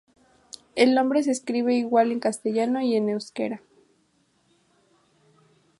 El nombre se escribe igual en castellano y euskera.